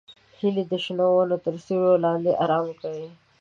هیلۍ د شنو ونو تر سیوري لاندې آرام کوي